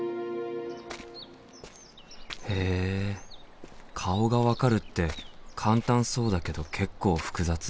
へえ顔が分かるって簡単そうだけど結構複雑。